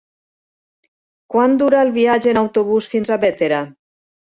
Quant dura el viatge en autobús fins a Bétera?